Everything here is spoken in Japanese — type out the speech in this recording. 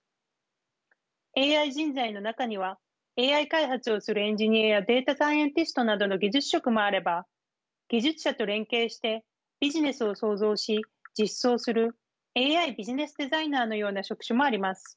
ＡＩ人材の中にはＡＩ開発をするエンジニアやデータサイエンティストなどの技術職もあれば技術者と連携してビジネスを創造し実装するＡＩビジネスデザイナーのような職種もあります。